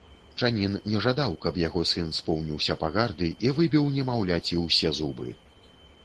Чанін не жадаў, каб яго сын споўніўся пагарды, і выбіў немаўляці ўсе зубы.